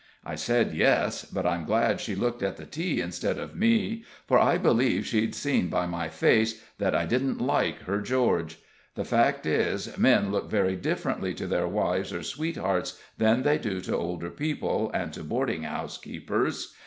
I said yes, but I'm glad she looked at the tea instead of me, for I believe she'd seen by my face that I didn't like her George. The fact is, men look very differently to their wives or sweethearts than they do to older people and to boarding house keepers.